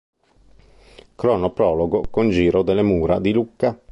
Cronoprologo con giro delle mura di Lucca.